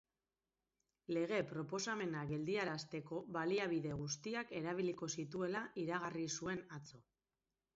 Lege proposamena geldiarazteko baliabide guztiak erabiliko zituela iragarri zuen atzo.